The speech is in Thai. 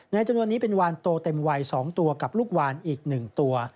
จำนวนนี้เป็นวานโตเต็มวัย๒ตัวกับลูกวานอีก๑ตัว